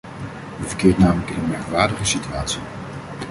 U verkeert namelijk in een merkwaardige situatie.